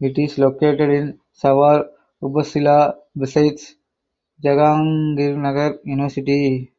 It is located in Savar Upazila besides Jahangirnagar University.